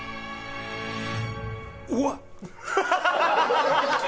うわっ！